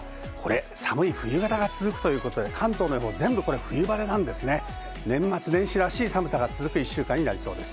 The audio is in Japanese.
寒い冬型が続くということで、関東は冬晴れですね、年末年始らしい寒さが続く１週間となりそうです。